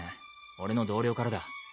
俺の同僚からだ。